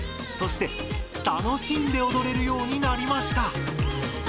そして楽しんでおどれるようになりました。